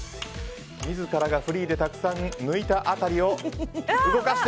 自らがフリーでたくさん抜いた辺りを動かして。